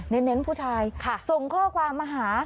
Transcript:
เน้นผู้ชายส่งข้อความมาหา